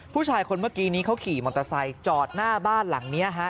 ผู้ชายคนเมื่อกี้นี้เขาขี่มอเตอร์ไซค์จอดหน้าบ้านหลังนี้ฮะ